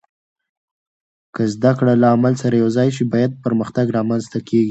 که زده کړه له عمل سره یوځای شي، پایدار پرمختګ رامنځته کېږي.